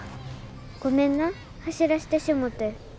ごめんな走らしてしもて。